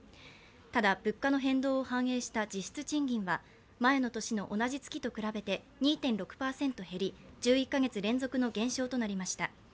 ただ物価の変動を反映した実質賃金は前の年の同じ月と比べて２．６％減り１１か月連続の減少となりました。